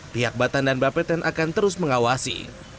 pihak batan dan bapeten akan terus mengawasi